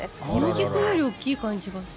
写真より大きい感じがする。